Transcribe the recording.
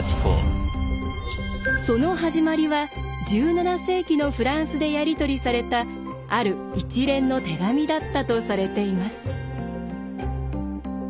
その始まりは１７世紀のフランスでやり取りされたある一連の手紙だったとされています。